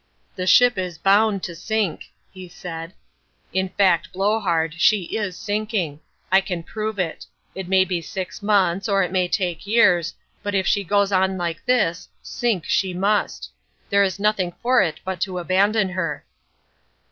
"The ship is bound to sink," he said, "in fact, Blowhard, she is sinking. I can prove it. It may be six months or it may take years, but if she goes on like this, sink she must. There is nothing for it but to abandon her."